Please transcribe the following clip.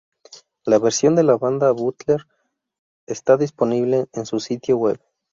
La versión de la banda de Butler está disponible en su sitio web.